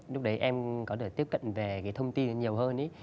lúc đấy em có thể tiếp cận về cái thông tin nhiều hơn